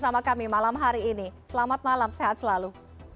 malam hari ini selamat malam sehat selalu